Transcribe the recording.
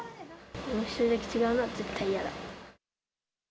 １人だけ違うのは絶対嫌だ。